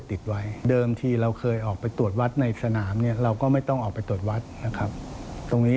เราเอาตัวนี้ไปติดไว้